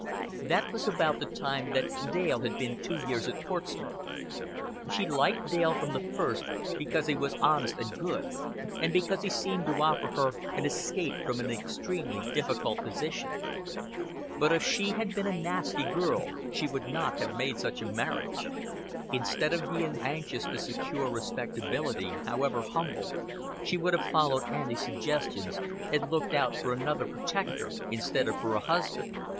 That was about the time that Dale had been two years at Portsmouth. She liked Dale from the first because he was honest and good, and because he seemed to offer her an escape from an extremely difficult position. But if she had been a nasty girl, she would not have made such a marriage; instead of being anxious to secure respectability, however humble, she would have followed Auntie's suggestions and looked out for another protector instead of for a husband.